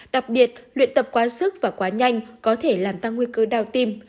đặc biệt luyện tập quá sức và quá nhanh có thể làm tăng nguy cơ đau tim